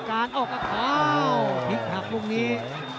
อ้าวพิวซ์หับลูกนี้